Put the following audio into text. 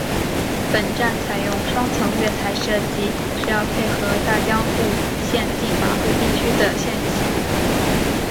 本站采用双层月台设计是要配合大江户线近麻布地区的线形。